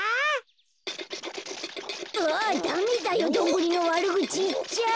あダメだよドンブリのわるぐちいっちゃ。